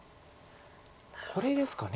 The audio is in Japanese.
これですか。